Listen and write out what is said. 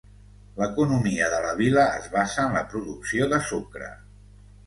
L'economia de la vila es basa en la producció de sucre.